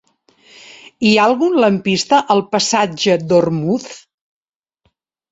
Hi ha algun lampista al passatge d'Ormuz?